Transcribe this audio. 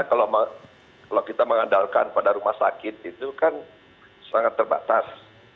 karena kalau kita mengandalkan pada rumah sakit itu kan sangat terbatas